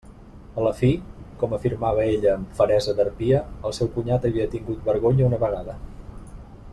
A la fi, com afirmava ella amb feresa d'harpia, el seu cunyat havia tingut vergonya una vegada.